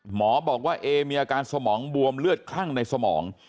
หมอบอกว่าเอมีอาการสมองบวมเลือดคลั่งในสมอง